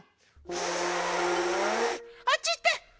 ふあっちいってふ！